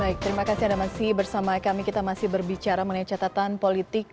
baik terima kasih anda masih bersama kami kita masih berbicara mengenai catatan politik